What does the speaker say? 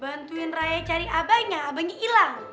bantuin raya cari abahnya abahnya ilang